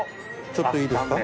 ちょっといいですか？